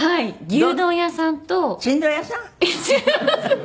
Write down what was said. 牛丼屋さん。